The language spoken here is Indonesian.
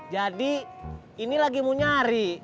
jadi ini lagi mau nyari